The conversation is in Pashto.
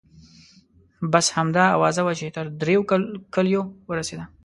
بس همدا اوازه وه چې تر ډېرو کلیو ورسیده.